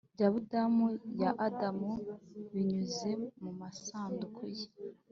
bya budamu ya adamu binyuze mumasanduku ye,